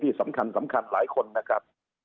ที่สำคัญหลายคนนะครับ